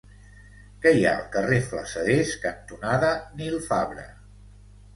Què hi ha al carrer Flassaders cantonada Nil Fabra?